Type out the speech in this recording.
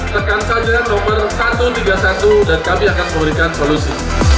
tekan saja nomor satu ratus tiga puluh satu dan kami akan memberikan solusi